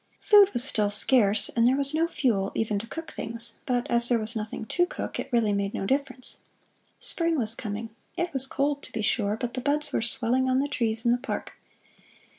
Food was still scarce, and there was no fuel even to cook things; but as there was nothing to cook, it really made no difference. Spring was coming it was cold, to be sure, but the buds were swelling on the trees in the park.